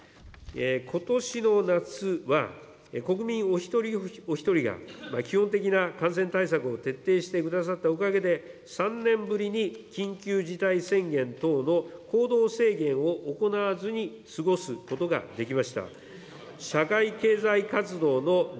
ことしの夏は、国民お一人お一人が基本的な感染対策を徹底してくださったおかげで、３年ぶりに緊急事態宣言等の行動制限を行わずに過ごすことができました。